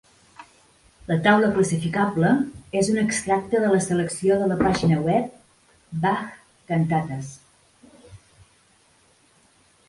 La taula classificable és un extracte de la selecció de la pàgina web 'Bach-Cantatas'.